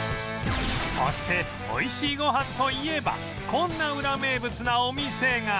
そして美味しいごはんといえばこんなウラ名物なお店が